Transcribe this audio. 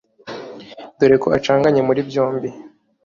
Dore ko acanganye muri byombi: